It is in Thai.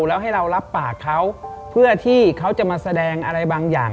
แล้วให้เรารับปากเขาเพื่อที่เขาจะมาแสดงอะไรบางอย่าง